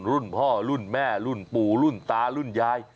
รุ่นพ่อรุ่นแม่รุ่นปู่รุ่นตารุ่นยาย